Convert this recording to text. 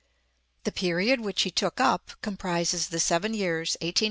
The period which he took up comprises the seven years 1888 1895.